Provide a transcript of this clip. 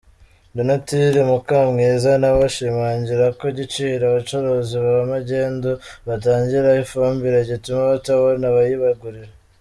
Donatille Mukamwiza nawe ashimangira ko igiciro abacuruzi ba magendu batangiraho ifumbire gituma batabona abayibagurira.